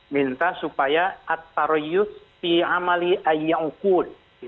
minta supaya ditunda terkait dengan segala hal apa namanya kontrak layanan haji